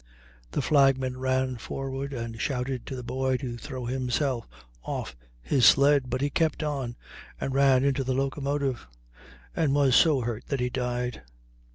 The flag man ran forward and shouted to the boy to throw himself off his sled, but he kept on and ran into the locomotive, and was so hurt that he died.